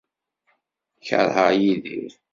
Keṛheɣ Yidir.